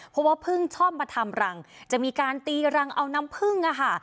เพราะว่าพึ่งชอบมาทำรังจะมีการตีรังเอาน้ำพึ่งอะค่ะ